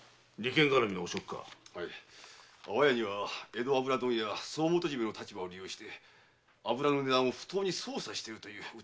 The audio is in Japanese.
安房屋には江戸油問屋総元締の立場を利用して油の値段を不当に操作しているという疑いがございます。